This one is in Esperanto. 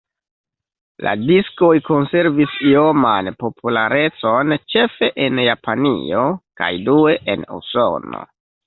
La diskoj konservis ioman popularecon ĉefe en Japanio kaj due en Usono.